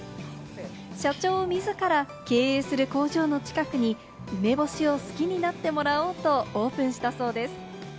社長自ら経営する工場の近くに梅干しを好きになってもらおうとオープンしたそうです。